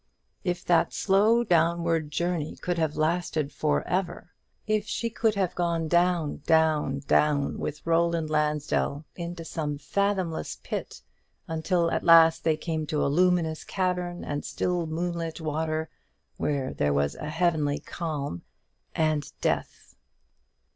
If that slow downward journey could have lasted for ever if she could have gone down, down, down with Roland Lansdell into some fathomless pit, until at last they came to a luminous cavern and still moonlit water, where there was a heavenly calm and death!